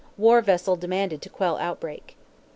War vessel demanded to quell outbreak.